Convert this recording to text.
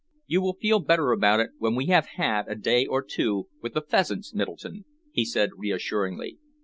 "You will feel better about it when we have had a day or two with the pheasants, Middleton," he said reassuringly.